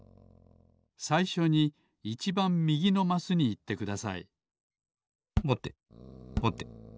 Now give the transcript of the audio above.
さいしょにいちばんみぎのマスにいってくださいぼてぼて。